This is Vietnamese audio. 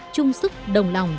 trung sức đồng lòng